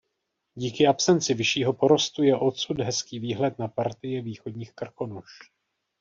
Díky absenci vyššího porostu je odsud hezký výhled na partie východních Krkonoš.